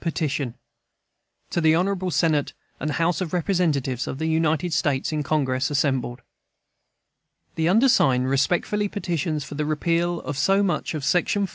PETITION "To the Honorable Senate and House of Representatives of the United States in Congress assembled: "The undersigned respectfully petitions for the repeal of so much of Section IV.